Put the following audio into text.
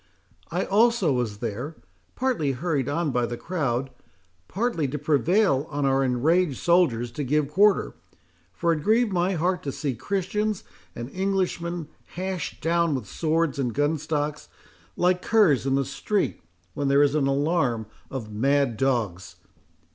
I also was there, partly hurried on by the crowd, partly to prevail on our enraged soldiers to give quarter; for it grieved my heart to see Christians and Englishmen hashed down with swords and gunstocks, like curs in the street, when there is an alarm of mad dogs.